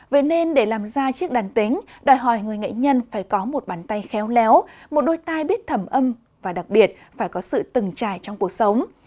vậy nên để làm ra chiếc đàn tính đòi hỏi người nghệ nhân phải có một bàn tay khéo léo một đôi tai biết thẩm âm và đặc biệt phải có sự từng trải trong cuộc sống